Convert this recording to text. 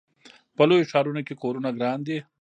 په لویو ښارونو کې کورونه ګران دي.